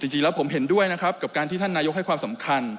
จริงแล้วผมเห็นด้วยนะครับกับการที่ท่านนายกให้ความสำคัญ